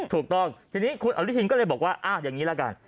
ถูกต้องทีนี้คุณอนุทินก็เลยบอกว่าอ้าวอย่างนี้ละกัน